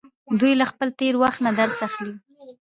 دوی له خپل تیره وخت نه درس اخلي.